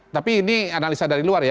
tapi ini analisa dari luar ya